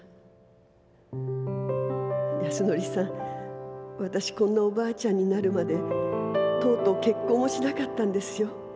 安典さん私こんなお婆ちゃんになるまでとうとう結婚もしなかったんですよ。